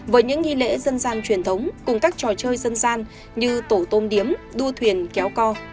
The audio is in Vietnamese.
với những nghi lễ dân gian truyền thống cùng các trò chơi dân gian như tổ tôm điếm đua thuyền kéo co